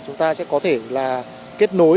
chúng ta sẽ có thể là kết nối